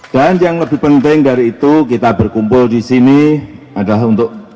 dan yang lebih penting dari itu kita berkumpul di sini adalah untuk